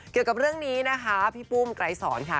เกี่ยวกับเรื่องนี้นะคะพี่ปุ้มไกรสอนค่ะ